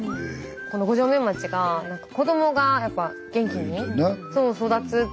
この五城目町が子どもがやっぱ元気にねそう育つって聞いて。